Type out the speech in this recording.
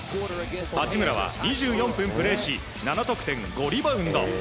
八村は２４分プレーし７得点５リバウンド。